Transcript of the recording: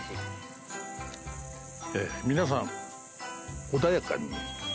皆さん穏やかに。